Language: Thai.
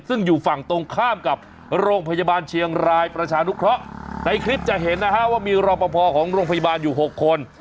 ซึ่งอยู่ฝั่งตรงข้ามกับโรงพยาบาลเชียงรายประชานุเคราะห์ในคลิปจะเห็นนะฮะว่ามีรอปภของโรงพยาบาลอยู่หกคน